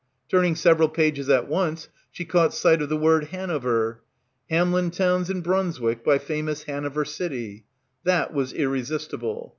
Turning several pages at once, she caught sight of the word Hanover. "Hamelin Town's in Brunswick, by famous Hanover city." That was irresistible.